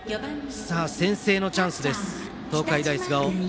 先制のチャンス、東海大菅生。